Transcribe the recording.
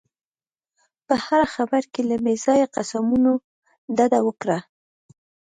په هره خبره کې له بې ځایه قسمونو ډډه وکړه.